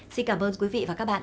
xin cảm ơn quý vị và các bạn